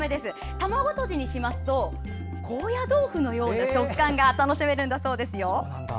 卵とじにすると高野豆腐のような食感が楽しめるそうですよ。